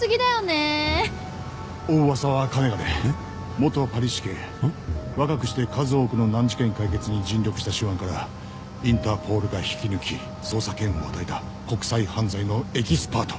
元パリ市警若くして数多くの難事件解決に尽力した手腕からインターポールが引き抜き捜査権を与えた国際犯罪のエキスパート。